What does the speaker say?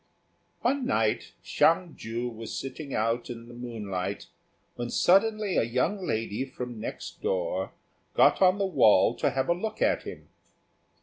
One night Hsiang ju was sitting out in the moonlight, when suddenly a young lady from next door got on the wall to have a look at him.